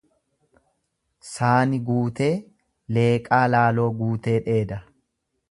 Saani Guutee, Leeqaa Laaloo guutee dheeda.